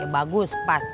ya bagus pas